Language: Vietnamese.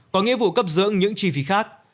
có nghĩa vụ cấp dưỡng những chi phí khác